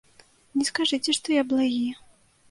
Не скажыце, што я благі.